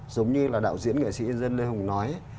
giống như là đạo diễn nghệ sĩ dân lê hùng nói